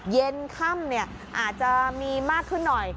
เย็นค่ำอาจจะมีมากขึ้นหน่อย